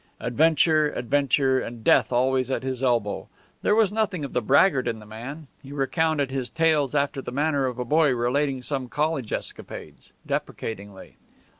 Adventure, adventure, and death always at his elbow! There was nothing of the braggart in the man; he recounted his tales after the manner of a boy relating some college escapades, deprecatingly.